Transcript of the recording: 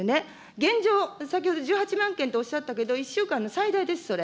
現状、先ほど１８万件とおっしゃったけど、１週間の最大です、それ。